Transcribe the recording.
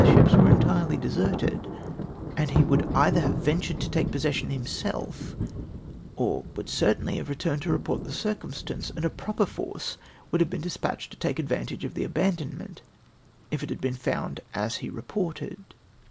ships were entirely deserted, and he would either have ventured to take possession himself, or would certainly have returned to report the circumstance, and a proper force would have been despatched to take advantage of the abandonment, if it had been found to be as he reported.